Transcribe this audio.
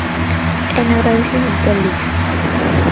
En agradecimiento al Lic.